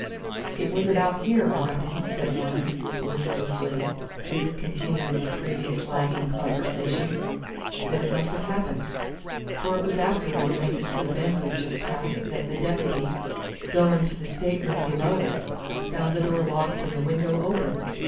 "It was about here, I reckon," said one, listlessly, as if continuing a previous lagging conversation, "that it must have happened. For it was after we were making for the bend we've just passed that the deputy, goin' to the stateroom below us, found the door locked and the window open.